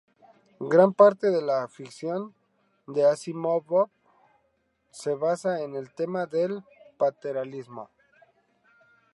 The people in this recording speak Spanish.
Gran parte de la ficción de Asimov se basa en el tema del paternalismo.